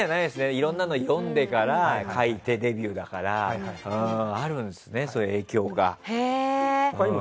いろんなものを読んで描いてデビューだからあるんですね、そういう影響が。